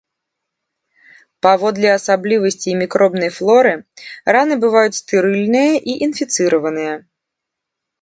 Паводле асаблівасцей мікробнай флоры раны бываюць стэрыльныя і інфіцыраваныя.